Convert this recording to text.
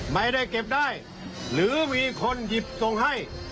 ไม่ได้เก็บได้หรือมีคนหยิบส่งให้